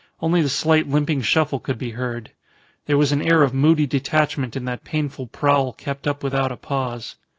Only the slight limping shuffle could be heard. There was an air of moody detachment in that painful prowl kept up without a pause.